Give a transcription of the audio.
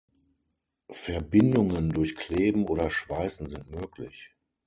Verbindungen durch Kleben oder Schweißen sind möglich.